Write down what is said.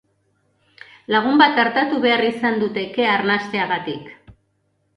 Lagun bat artatu behar izan dute kea arnasteagatik.